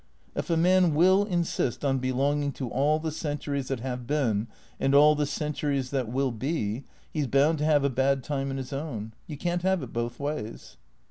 If a man will insist on belonging to all the centuries that have been, and all the cen turies that will be, he 's bound to have a bad time in his own. You can't have it both ways."